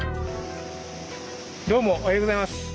どうもおはようございます。